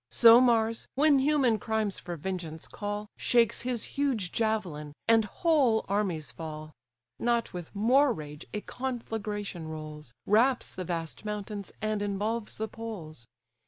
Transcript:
So Mars, when human crimes for vengeance call, Shakes his huge javelin, and whole armies fall. Not with more rage a conflagration rolls, Wraps the vast mountains, and involves the poles.